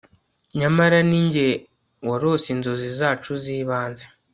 nyamara ninjye warose inzozi zacu z'ibanze